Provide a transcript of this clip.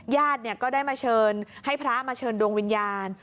ญาติก็ได้มาเชิญให้พระมาเชิญดวงวิญญาณ